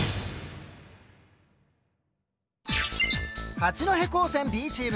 八戸高専Ｂチーム。